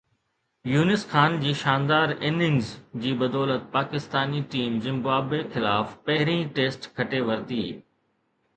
يونس خان جي شاندار اننگز جي بدولت پاڪستاني ٽيم زمبابوي خلاف پهرين ٽيسٽ کٽي ورتي